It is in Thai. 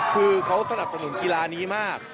คือเขาสนับสนุนกีฬานี้มาก